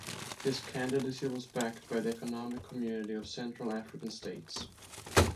His candidacy was backed by the Economic Community of Central African States.